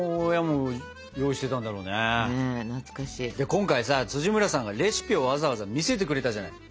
今回さ村さんがレシピをわざわざ見せてくれたじゃない。